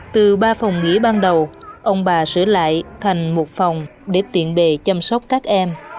từ ba phòng nghỉ ban đầu ông bà sửa lại thành một phòng để tiện bề chăm sóc các em